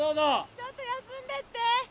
ちょっと休んでって！